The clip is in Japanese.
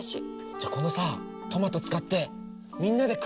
じゃあこのさトマト使ってみんなでクッキングしようよ！